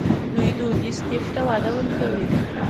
دوی دودیز طب ته وده ورکوي.